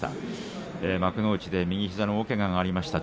幕内で右膝の大けががありました。